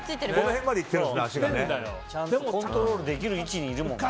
でもコントロールできる位置にいるもんね。